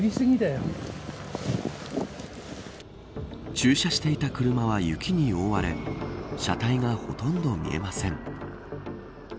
駐車していた車は雪に覆われ車体がほとんど見えません。